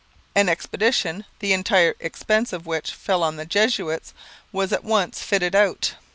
An expedition, the entire expense of which fell on the Jesuits, was at once fitted out.